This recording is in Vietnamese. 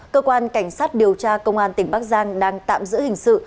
cơ quan cảnh sát điều tra công an tỉnh bắc giang đang tạm giữ hình sự